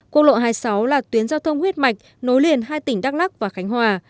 quốc lộ hai mươi sáu là tuyến giao thông huyết mạch nối liền hai tỉnh đắk lắc và khánh hòa